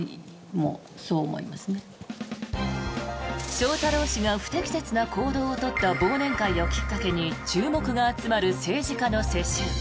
翔太郎氏が不適切な行動を取った忘年会をきっかけに注目が集まる政治家の世襲。